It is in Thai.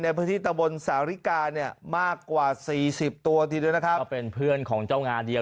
ในพื้นที่ตะวนสาริกาเนี่ย